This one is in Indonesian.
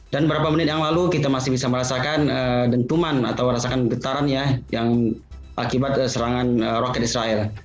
beberapa menit yang lalu kita masih bisa merasakan dentuman atau rasakan getaran ya yang akibat serangan roket israel